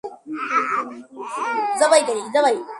কোনো টেনশন আছে?